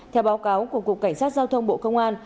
theo báo cáo của cục cảnh sát giao thông bộ công an